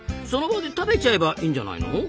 その場で食べちゃえばいいんじゃないの？